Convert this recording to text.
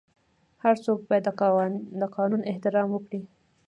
هر څوک باید د قانون احترام وکړي.